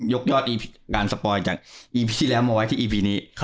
ยอดการสปอยจากอีพีที่แล้วมาไว้ที่อีพีนี้